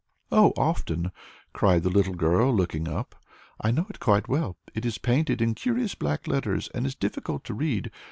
"Oh, often," cried the little girl, looking up; "I know it quite well. It is painted in curious black letters, and is difficult to read.